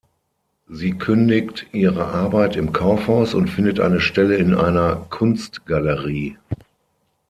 Sie kündigt ihre Arbeit im Kaufhaus und findet eine Stelle in einer Kunstgalerie.